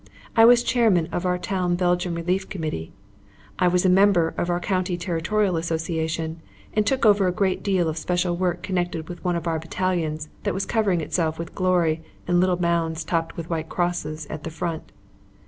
I was Chairman of our town Belgian Relief Committee. I was a member of our County Territorial Association and took over a good deal of special work connected with one of our battalions that was covering itself with glory and little mounds topped with white crosses at the front.